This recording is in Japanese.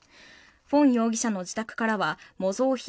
フォン容疑者の自宅からは模造品